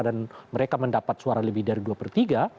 dan mereka mendapat suara lebih dari dua per tiga